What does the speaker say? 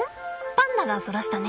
パンダがそらしたね。